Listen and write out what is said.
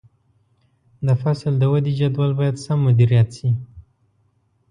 د فصل د ودې جدول باید سم مدیریت شي.